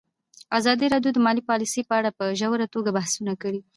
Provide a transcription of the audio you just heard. ازادي راډیو د مالي پالیسي په اړه په ژوره توګه بحثونه کړي.